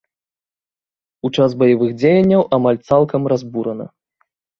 У час баявых дзеянняў амаль цалкам разбурана.